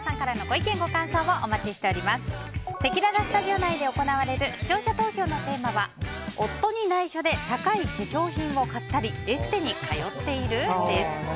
せきららスタジオ内で行われる視聴者投票のテーマは夫に内緒で高い化粧品を買ったりエステに通っている？です。